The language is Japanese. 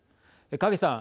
影さん。